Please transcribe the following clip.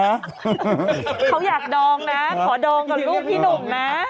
เขาอยากดองนะขอดองกับลูกพี่หนุ่มนะ